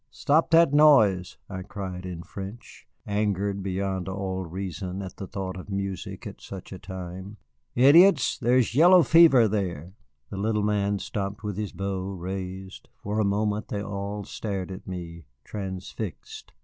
"Stop that noise," I cried in French, angered beyond all reason at the thought of music at such a time. "Idiots, there is yellow fever there." The little man stopped with his bow raised; for a moment they all stared at me, transfixed.